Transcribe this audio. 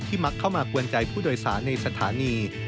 มักเข้ามากวนใจผู้โดยสารในสถานี